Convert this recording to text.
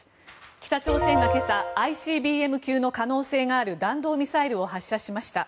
北朝鮮が今朝ＩＣＢＭ級の可能性がある弾道ミサイルを発射しました。